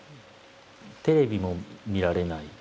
テレビも見られない。